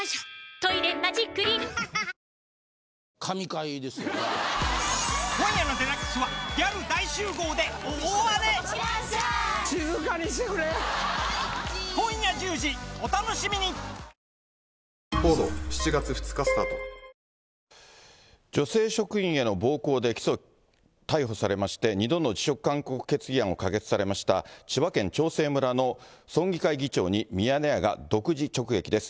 「トイレマジックリン」女性職員への暴行で逮捕されまして、２度の辞職勧告決議案を可決されました、千葉県長生村の村議会議長にミヤネ屋が独自直撃です。